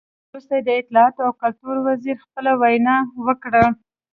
وروسته د اطلاعاتو او کلتور وزیر خپله وینا وکړه.